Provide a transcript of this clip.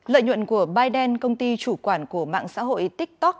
lợi nhuận của biden công ty chủ quản của mạng xã hội tiktok